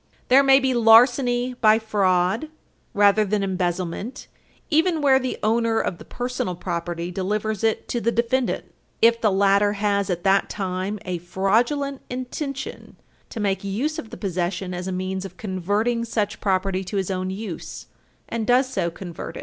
There may be larceny by fraud, rather than embezzlement even where the owner of the personal property delivers it to the defendant, if the latter has, at that time, "a fraudulent intention to make use of the possession as a means of converting such property to his own use, and does so convert it."